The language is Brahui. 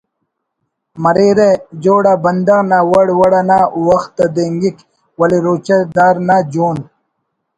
مریرہ جوڑ آ بندغ نا وڑ وڑ انا وخت تدینگک ولے روچہ دار نا جون